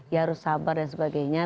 ya harus sabar dan sebagainya